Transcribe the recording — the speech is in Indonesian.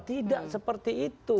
tidak seperti itu